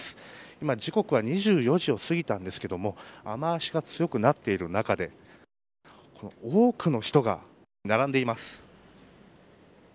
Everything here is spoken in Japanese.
今、時刻は２４時をすぎたんですけれども雨脚が強くなっている中で多くの人が並んでいます。